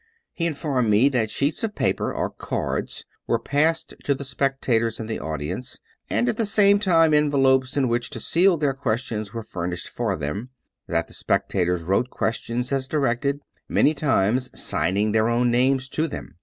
He informed me that sheets of paper or cards were passed to the spectators in the audience, and at the same time envelopes in which to seal their questions were fur nished for them; that the spectators wrote questions as directed, many times signing their own names to them.